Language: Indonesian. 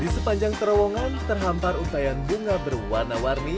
di sepanjang terowongan terhampar untayan bunga berwarna warni